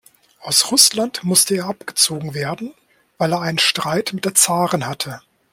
Aus Russland musste er abgezogen werden, weil er einen Streit mit der Zarin hatte.